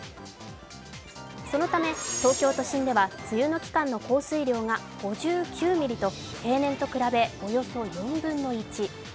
そのため、東京都心では梅雨の期間の降水量が５９ミリと平年と比べおよそ４分の１。